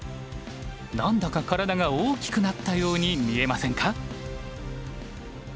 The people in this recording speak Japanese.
何だか体が大きくなったように見えませんか？